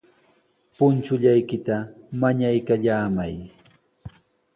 Punchullaykita mañaykallamay.